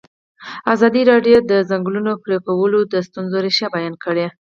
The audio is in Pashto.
ازادي راډیو د د ځنګلونو پرېکول د ستونزو رېښه بیان کړې.